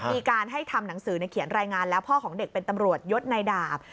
มีการให้ทำหนังสือเขียนรายงานแล้วพ่อของเด็กเป็นตำรวจยดในดาบ